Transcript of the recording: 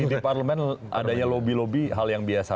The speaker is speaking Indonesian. di parlemen adanya lobby lobby hal yang biasa